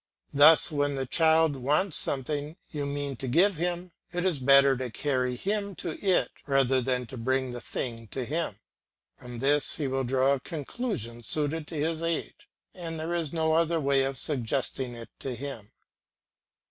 Thus when the child wants something you mean to give him, it is better to carry him to it rather than to bring the thing to him. From this he will draw a conclusion suited to his age, and there is no other way of suggesting it to him.